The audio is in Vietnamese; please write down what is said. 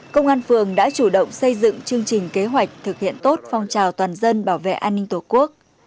công an phường đã chủ động xây dựng chương trình kế hoạch thực hiện tốt phong trào toàn dân bảo vệ an ninh tổ quốc